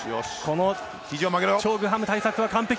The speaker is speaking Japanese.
チョ・グハム対策は完璧。